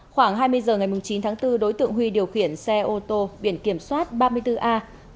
khoảng hai mươi h ngày chín tháng bốn đối tượng huy điều khiển xe ô tô viện kiểm soát ba mươi bốn a một mươi bảy nghìn bốn trăm bảy mươi chín